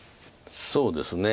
そうですね。